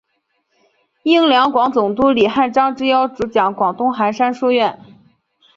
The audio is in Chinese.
应两广总督李瀚章之邀主讲广东韩山书院。